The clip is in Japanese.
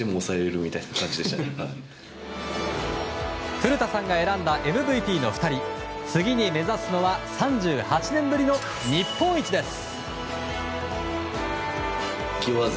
古田さんが選んだＭＶＰの２人次に目指すのは３８年ぶりの日本一です。